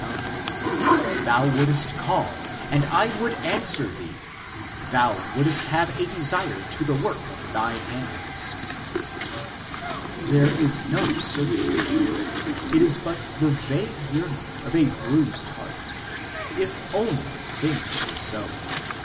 THE DEVELOPMENT OP BELIEF 215 Thou wouldest call, and I would answer Thee ; Thou wouldest have a desire to the work of Thine hands." There is no certitude here ; it is but the vague yearning of a bruised heart : If only things were so